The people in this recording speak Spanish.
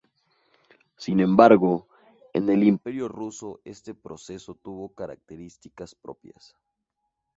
Sin embargo, en el Imperio ruso este proceso tuvo características propias.